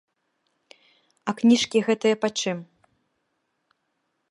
А кніжкі гэтыя пачым?